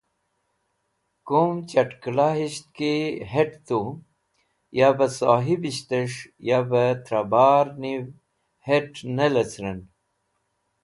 Kum chat̃kẽlayisht ki het̃ tu, yav-e sohibishtes̃h yav e trẽ bar niv het̃ ne leceren.